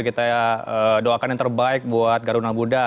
kita doakan yang terbaik buat garuda udan buddha